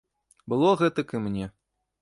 Было гэтак і мне.